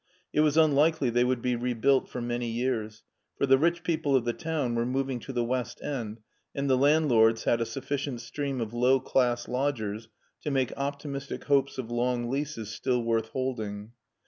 It was unlikely they would be rebuilt for many years, for the rich people of the town were moving to the west end, and the landlords had a sufficient stream of low class lodgers to make optimistic hopes of long leases still worth holding.